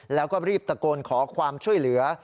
แล้วก็รีบตะโกนขอความช่วยเหลือ